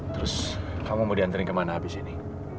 terus kamu mau diantarin kemana habis ini